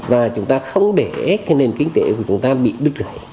và chúng ta không để cái nền kinh tế của chúng ta bị đứt gãy